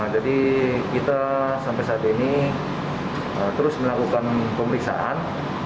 jadi kita sampai saat ini terus melakukan pemeriksaan